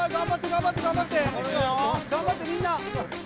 頑張ってみんな！